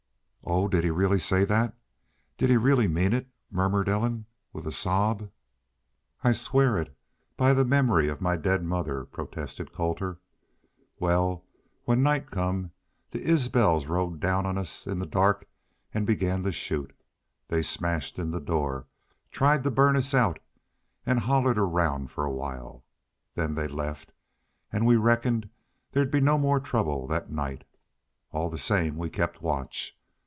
'" "Oh, did he really say that? ... Did he really mean it?" murmured Ellen, with a sob. "I'll swear it by the memory of my daid mother," protested Colter. "Wal, when night come the Isbels rode down on us in the dark an' began to shoot. They smashed in the door tried to burn us out an' hollered around for a while. Then they left an' we reckoned there'd be no more trouble that night. All the same we kept watch.